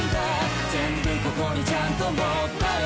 「全部ここにちゃんと持ったよ